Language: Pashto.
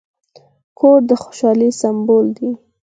کور د خوشحالۍ سمبول دی.